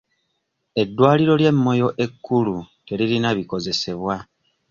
Eddwaliro ly'e Moyo ekkulu teririna bikozesebwa.